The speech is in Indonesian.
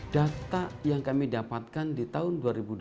data yang kami dapatkan di tahun dua ribu dua puluh